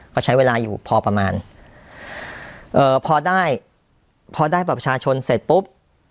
เขาใช้เวลาอยู่พอประมาณเอ่อพอได้พอได้บัตรประชาชนเสร็จปุ๊บ